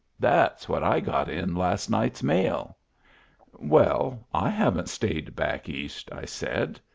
That's what I got in last night's mail.'* "Well, I haven't stayed back East," I said.